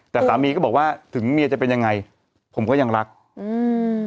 แต่สามีก็บอกว่าถึงเมียจะเป็นยังไงผมก็ยังรักอืม